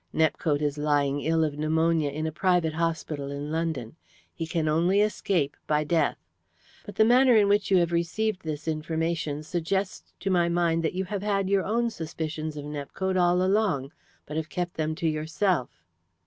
Nepcote is lying ill of pneumonia in a private hospital in London. He can only escape by death. But the manner in which you have received this information suggests to my mind that you have had your own suspicions of Nepcote all along, but have kept them to yourself."